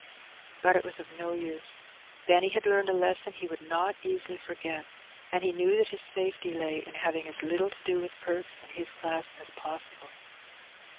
But it was of no use. Benny had learned a lesson he would not easily forget, and he knew that his safety lay in having as little to do with Perks and his class as possible.